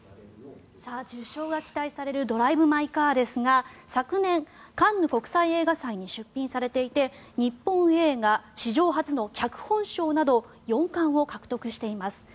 受賞が期待される「ドライブ・マイ・カー」ですが昨年、カンヌ国際映画祭に出品されていて日本映画史上初の脚本賞など４冠を獲得しています。